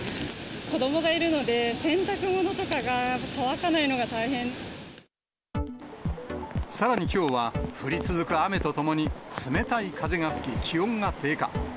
子どもがいるので、洗濯物とさらにきょうは、降り続く雨とともに、冷たい風が吹き、気温が低下。